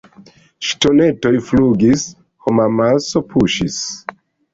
Ŝtonetoj flugis; homamaso puŝis.